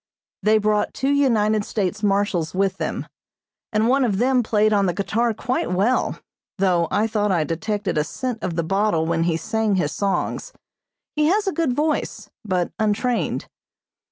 They brought two United States marshals with them, and one of them played on the guitar quite well, though I thought I detected a scent of the bottle when he sang his songs. He has a good voice, but untrained.